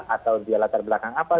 atau dia latar belakang apa